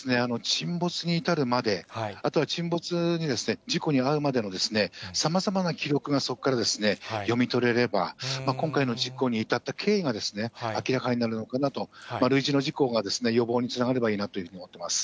沈没に至るまで、あとは沈没に、事故に遭うまでのさまざまな記録がそこから読み取れれば、今回の事故に至った経緯が明らかになるのかなと、るいじの事故が予防につながればいいなというふうに思っています。